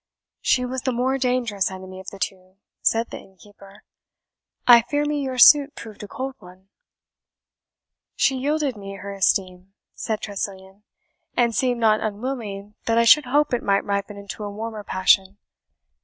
"She was the more dangerous enemy of the two," said the innkeeper. "I fear me your suit proved a cold one." "She yielded me her esteem," said Tressilian, "and seemed not unwilling that I should hope it might ripen into a warmer passion.